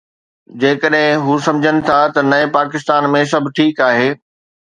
جيڪڏهن هو سمجهن ٿا ته نئين پاڪستان ۾ سڀ ٺيڪ آهي.